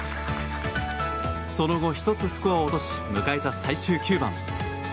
その後、１つスコアを落とし迎えた最終９番。